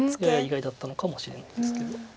やや意外だったのかもしれないですけど。